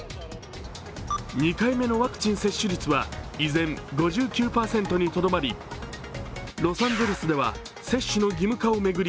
２回目のワクチン接種率は依然５９％にとどまりロサンゼルスでは接種の義務化を巡り